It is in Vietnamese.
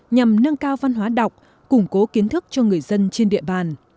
nhằm nâng cao văn hóa đọc củng cố kiến thức cho người dân trên địa bàn